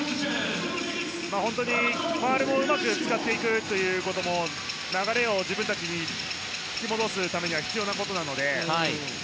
本当にファウルもうまく使っていくところが流れを自分たちに引き戻すために必要なことなので。